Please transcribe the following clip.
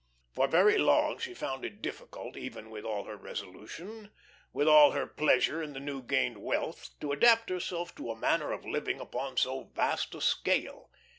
For very long she found it difficult, even with all her resolution, with all her pleasure in her new gained wealth, to adapt herself to a manner of living upon so vast a scale.